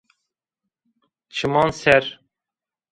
Çiman ser